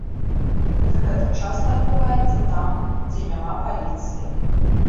Гэта часта адбываецца там, дзе няма паліцыі.